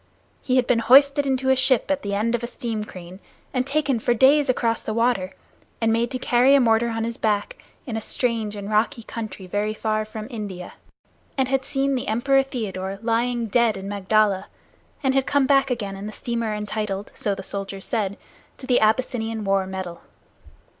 He had been hoisted into a ship at the end of a steam crane and taken for days across the water, and made to carry a mortar on his back in a strange and rocky country very far from India, and had seen the Emperor Theodore lying dead in Magdala, and had come back again in the steamer entitled, so the soldiers said, to the Abyssinian War medal.